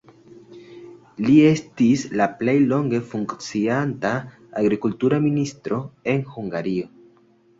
Li estis la plej longe funkcianta agrikultura ministro en Hungario.